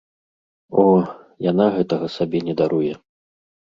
О, яна гэтага сабе не даруе!